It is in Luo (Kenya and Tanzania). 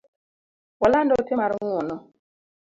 Waland ote mar ng’uono